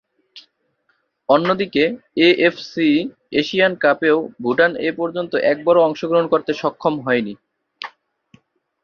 অন্যদিকে, AFC Asian কাপেও ভুটান এপর্যন্ত একবারও অংশগ্রহণ করতে সক্ষম হয়নি।